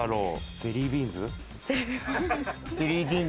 ゼリービーンズ。